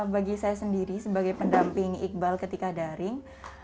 bagi saya sendiri sebagai pendamping iqbal ketika daring